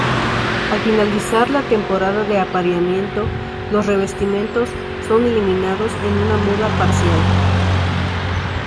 Al finalizar la temporada de apareamiento, los revestimientos son eliminados en una muda parcial.